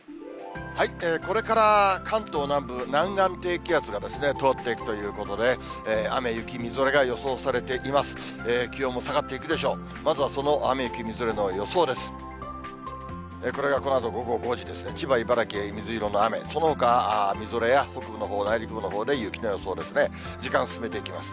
これから関東南部、南岸低気圧が通っていくということで、雨、雪、みぞれが予想されています。